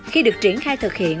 khi được triển khai thực hiện